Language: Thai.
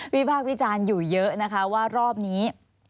พากษ์วิจารณ์อยู่เยอะนะคะว่ารอบนี้